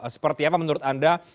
seperti apa menurut anda